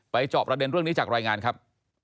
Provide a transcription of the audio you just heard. ไปจอบแล้วเรื่องนี้จากรายงานครับ